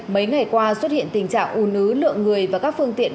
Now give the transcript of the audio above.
mấy ngày qua xuất hiện tình trạng ủ nứ lượng người và các phương tiện